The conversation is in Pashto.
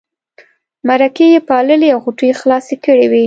مرکې یې پاللې او غوټې یې خلاصې کړې وې.